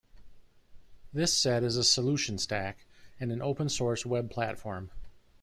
This set is a solution stack, and an open source web platform.